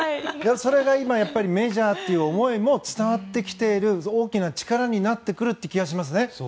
それがメジャーという思いも伝わってきている大きな力になってくる気がしますね。